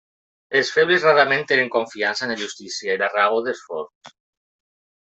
Els febles rarament tenen confiança en la justícia i la raó dels forts.